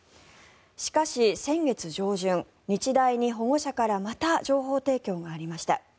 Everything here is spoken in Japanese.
しかし、先月上旬日大に保護者からまた情報提供がありました。